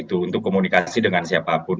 untuk komunikasi dengan siapapun